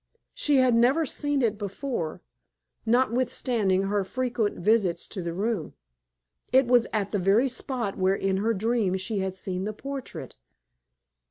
She had never seen it before, notwithstanding her frequent visits to the room. It was at the very spot where in her dream she had seen the portrait.